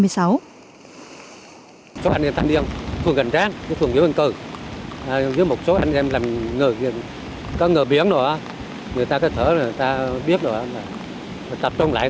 số anh em tăng điên phường gành ráng phường nguyễn văn cử giữa một số anh em làm ngờ biển người ta có thể thở người ta biết tập trung lại